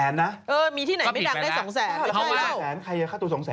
เออมีที่ไหนไม่ดังได้๒๐๐๐๐๐ไม่ใช่